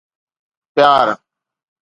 پيار